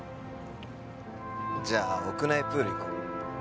じゃあ屋内プール行こう。